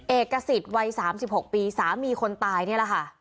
เอกสิทธิ์วัย๓๖ปีสามีคนตายนี่แหละค่ะ